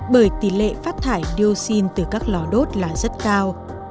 bởi tỷ lệ phát thải dioxin từ các lò đốt là rất cao